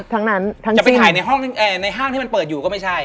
จะไปถ่ายในห้างที่มันเปิดอยู่ก็ไม่ใช่